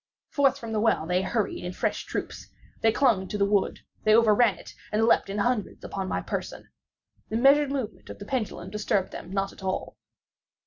Forth from the well they hurried in fresh troops. They clung to the wood—they overran it, and leaped in hundreds upon my person. The measured movement of the pendulum disturbed them not at all.